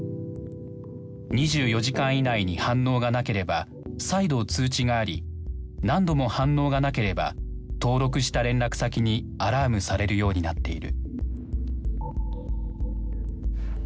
２４時間以内に反応がなければ再度通知があり何度も反応がなければ登録した連絡先にアラームされるようになっている。